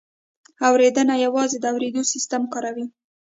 اورېدنه یوازې د اورېدو سیستم کاروي